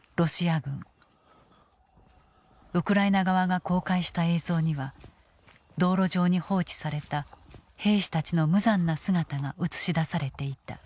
ウクライナ側が公開した映像には道路上に放置された兵士たちの無残な姿が映し出されていた。